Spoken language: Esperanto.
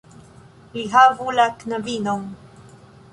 Li havu la knabinon."